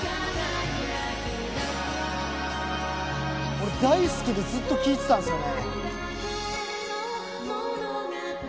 俺大好きでずっと聴いてたんですよね。